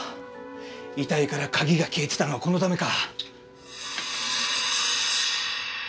遺体から鍵が消えてたのはこのためか。